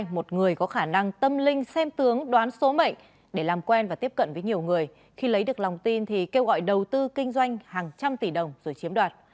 một người có khả năng tâm linh xem tướng đoán số mệnh để làm quen và tiếp cận với nhiều người khi lấy được lòng tin thì kêu gọi đầu tư kinh doanh hàng trăm tỷ đồng rồi chiếm đoạt